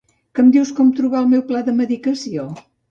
Que em dius com trobar el meu pla de medicació?